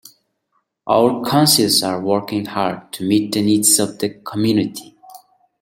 Our Councils are working hard to meet the needs of the community.